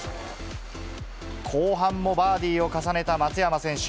後半もバーディーを重ねた松山選手。